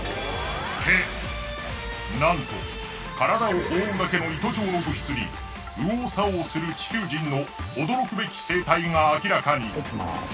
なんと体を覆うだけの糸状の物質に右往左往する地球人の驚くべき生態が明らかに！